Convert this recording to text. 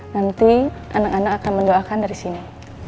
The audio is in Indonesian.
nanti anak anak akan mendoakan dari sini